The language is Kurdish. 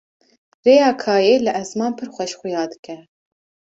rêya kayê li ezman pir xweş xuya dike